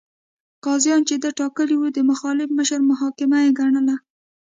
قاضیان چې ده ټاکلي وو، د مخالف مشر محاکمه یې ګڼله.